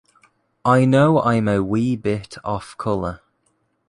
I know I'm a wee bit off color.